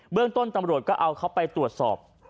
เรื่องต้นตำรวจก็เอาเขาไปตรวจสอบ